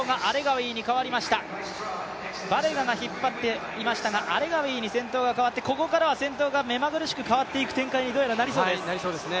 バレガが引っ張っていましたが、アレガウィが先頭に変わってここからは先頭が目まぐるしく変わっていく展開にどうやらなりそうです。